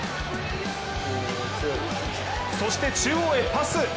そして、中央へパス。